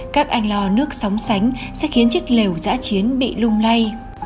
các anh lo nước sóng sánh sẽ khiến chiếc lều giã chiến bị lung lay